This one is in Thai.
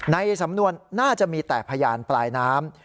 ในสำนวนน่าจะมีแต่พยานปลายน้ำ